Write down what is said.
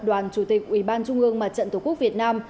đoàn chủ tịch ubnd mặt trận tổ quốc việt nam